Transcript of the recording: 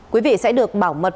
quý vị sẽ được bảo mật